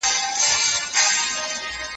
زه به سبا بوټونه پاکوم؟!